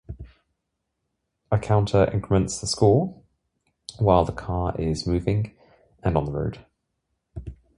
A counter increments the score while the car is moving and on the road.